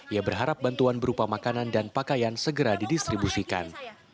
ia berharap bantuan berupa makanan dan pakaian segera didistribusikan